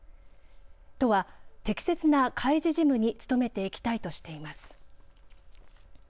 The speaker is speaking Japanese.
都は適切な開示事務に努めていきたいとしています。